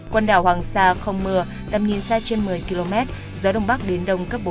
quần đảo hoàng sa không mưa tầm nhìn xa trên một mươi km gió đông bắc đến đông cấp bốn